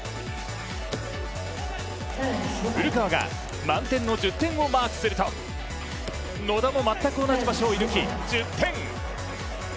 古川が満点の１０点をマークすると野田も全く同じ場所を射ぬき１０点。